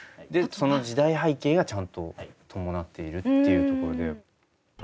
その時代背景がちゃんと伴っているっていうところで。